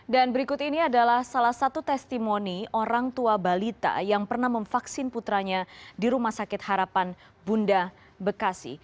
dan berikut ini adalah salah satu testimoni orang tua balita yang pernah memvaksin putranya di rumah sakit harapan bunda bekasi